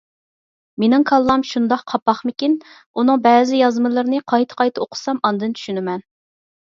مېنىڭ كاللام شۇنداق قاپاقمىكىن، ئۇنىڭ بەزى يازمىلىرىنى قايتا-قايتا ئوقۇسام ئاندىن چۈشىنىمەن.